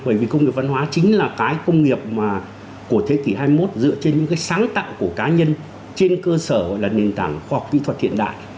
bởi vì công nghiệp văn hóa chính là cái công nghiệp của thế kỷ hai mươi một dựa trên những cái sáng tạo của cá nhân trên cơ sở là nền tảng khoa học kỹ thuật hiện đại